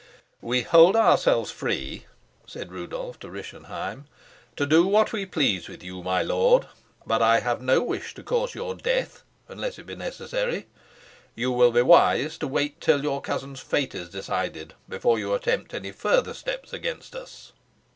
"We hold ourselves free," said Rudolf to Rischenheim, "to do what we please with you, my lord. But I have no wish to cause your death, unless it be necessary. You will be wise to wait till your cousin's fate is decided before you attempt any further steps against us."